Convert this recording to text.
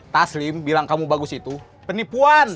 taslim bilang kamu bagus itu penipuan